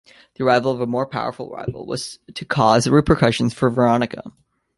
The arrival of a more powerful rival was to cause repercussions for Veronica.